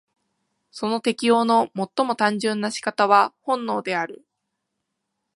その適応の最も単純な仕方は本能である。